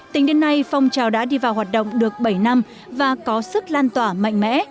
tính đến nay phong trào đã đi vào hoạt động được bảy năm và có sức lan tỏa mạnh mẽ